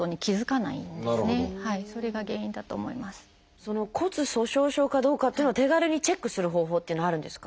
その骨粗しょう症かどうかっていうのは手軽にチェックする方法っていうのはあるんですか？